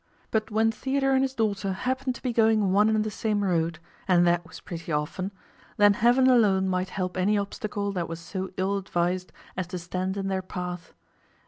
But when Theodore and his daughter happened to be going one and the same road, which was pretty often, then Heaven alone might help any obstacle that was so ill advised as to stand in their path.